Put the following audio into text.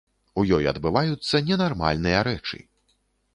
У ёй адбываюцца ненармальныя рэчы.